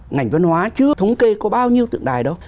ngành văn hóa chưa thống kê có bao nhiêu tượng đài đâu